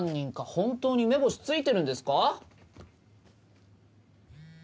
本当に目星ついてるんですか？